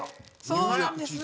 そうなんです。